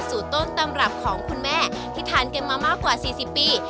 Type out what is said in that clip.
สูตรต้มระบของคุณแม่ที่ทานแกงมามากกว่าสี่สิบปี